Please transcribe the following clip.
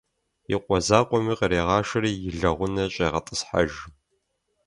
И къуэ закъуэми кърегъашэри и лэгъунэ щӀегъэтӀысхьэж.